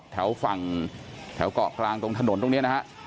แถวฝั่งแถวเกาะกลางตรงถนนตรงนี้นะฮะ